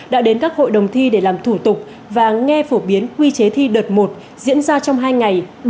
đã đến các hội đồng thi để làm thủ tục và nghe phổ biến quy chế thi đợt một diễn ra trong hai ngày